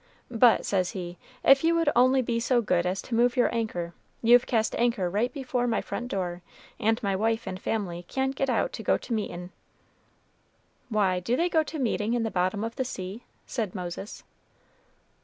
'But,' says he, 'if you would only be so good as to move your anchor. You've cast anchor right before my front door, and my wife and family can't get out to go to meetin'.'" "Why, do they go to meeting in the bottom of the sea?" said Moses.